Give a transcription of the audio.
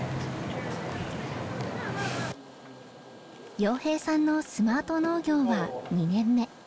洋平さんのスマート農業は２年目。